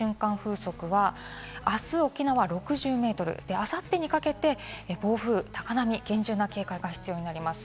予想される最大瞬間風速はあす沖縄６０メートル、あさってにかけて暴風、高波、厳重な警戒が必要になります。